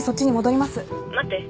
待って。